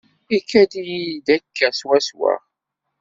Ikad-iyi-d akka swaswa.